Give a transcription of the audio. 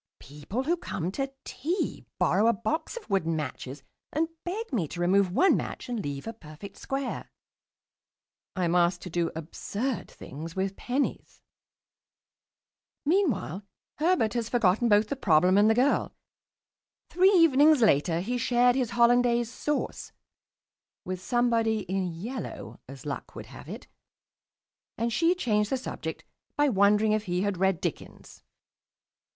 People who come to tea borrow a box of wooden matches and beg me to remove one match and leave a perfect square. I am asked to do absurd things with pennies.... Meanwhile Herbert has forgotten both the problem and the girl. Three evenings later he shared his Hollandaise sauce with somebody in yellow (as luck would have it) and she changed the subject by wondering if he read Dickens.